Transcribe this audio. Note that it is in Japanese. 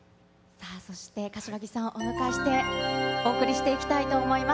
さあ、そして柏木さんをお迎えしてお送りしていきたいと思います。